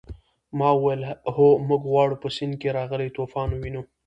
ما وویل هو موږ غواړو په سیند کې راغلی طوفان ووینو.